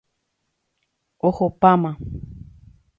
Ohopáma.